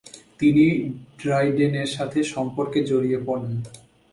তিনি ড্রাইডেনের সাথে সম্পর্কে জড়িয়ে পড়েন।